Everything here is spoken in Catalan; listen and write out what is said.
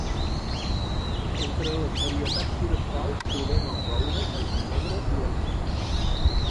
Entre les varietats forestals trobem el roure, el ginebre i l'alzina.